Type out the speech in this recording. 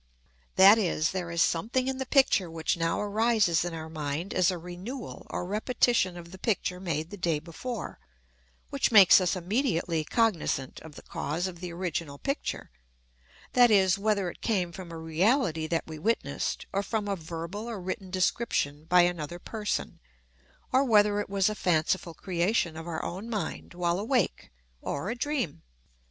That is, there is something in the picture which now arises in our mind as a renewal or repetition of the picture made the day before, which makes us immediately cognizant of the cause of the original picture that is, whether it came from a reality that we witnessed, or from a verbal or written description by another person, or whether it was a fanciful creation of our own mind while awake, or a dream.